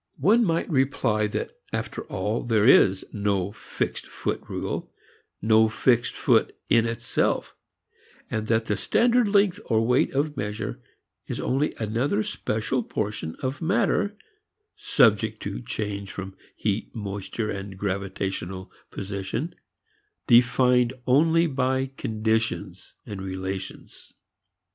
One might reply that after all there is no fixed foot rule, no fixed foot "in itself" and that the standard length or weight of measure is only another special portion of matter, subject to change from heat, moisture and gravitational position, defined only by conditions, relations.